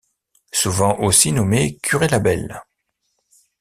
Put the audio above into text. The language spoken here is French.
Souvent aussi nommé Curé Label.